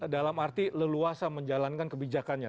dalam arti leluasa menjalankan kebijakannya